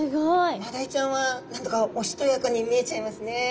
マダイちゃんは何だかおしとやかに見えちゃいますね。